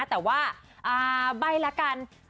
แต่ว่าอะบ่ายละกัน